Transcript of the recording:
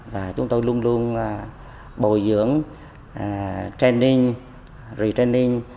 và chúng tôi luôn luôn bồi dưỡng training retraining